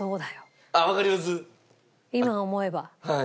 今思えば。